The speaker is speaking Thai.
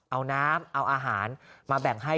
เอาน้ำเอาอาหารมาแบ่งให้